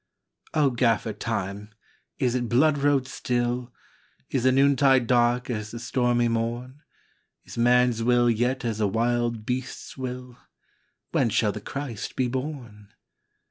" O Gaffer Time, is it blood road still? Is the noontide dark as the stormy morn? Is man s will yet as a wild beast s will? When shall the Christ be born?